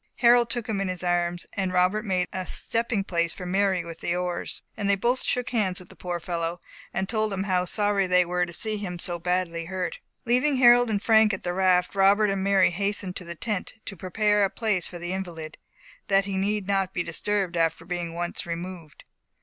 Harold took him in his arms, and Robert made a stepping place for Mary with the oars, and they both shook hands with the poor fellow, and told him how sorry they were to see him so badly hurt. Leaving Harold and Frank at the raft, Robert and Mary hastened to the tent to prepare a place for the invalid, that he need not be disturbed after being once removed.